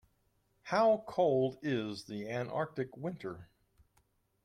How cold is the Antarctic winter?